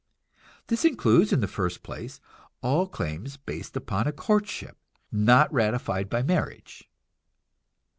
This includes, in the first place, all claims based upon a courtship, not ratified by marriage.